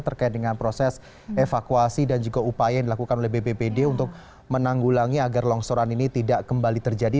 terkait dengan proses evakuasi dan juga upaya yang dilakukan oleh bbbd untuk menanggulangi agar longsoran ini tidak kembali terjadi